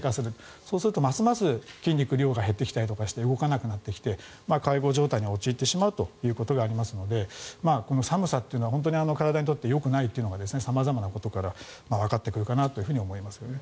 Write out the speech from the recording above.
そうするとますます筋肉量が減ってきたりして動かなくなってきて介護状態に陥ってしまうということがありますので寒さというのは本当に体にとってよくないということが様々なことからわかってくるかなと思います。